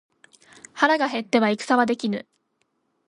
腹が減っては戦はできぬ。